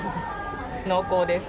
濃厚です。